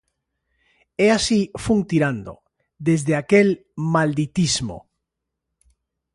E así fun tirando, desde aquel malditismo.